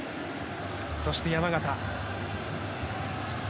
そして山縣。